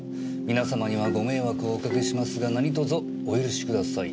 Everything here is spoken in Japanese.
「皆さまにはご迷惑をおかけしますが何卒お許しください。